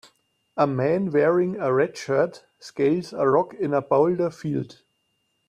A man wearing a red shirt scales a rock in a boulder field.